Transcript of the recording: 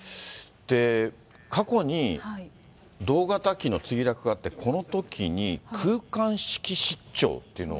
過去に同型機の墜落があって、このときに、空間識失調っていうのが。